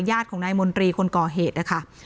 ญาติของนายมนตรีคนก่อเหตุนะคะ